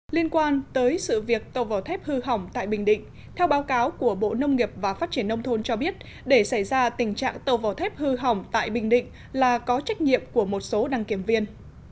liên quan tới sự việc tàu vỏ thép hư hỏng tại bình định theo báo cáo của bộ nông nghiệp và phát triển nông thôn cho biết để xảy ra tình trạng tàu vỏ thép hư hỏng tại bình định là có trách nhiệm của một số đăng kiểm viên